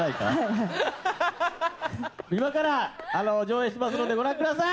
今から上映しますのでご覧ください！